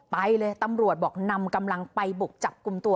ไปเลยตำรวจบอกนำกำลังไปบุกจับกลุ่มตัว